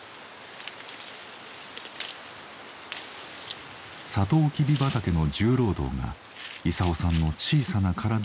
サトウキビ畑の重労働が勲さんの小さな体にのしかかりました。